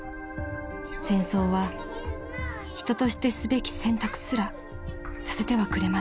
［戦争は人としてすべき選択すらさせてはくれません］